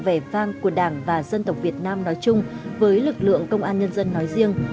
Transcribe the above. vẻ vang của đảng và dân tộc việt nam nói chung với lực lượng công an nhân dân nói riêng